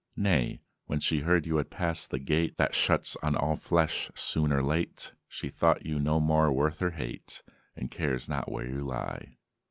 "Nay: when she heard you had passed the Gate That shuts on all flesh soon or late, She thought you no more worth her hate, And cares not where you lie.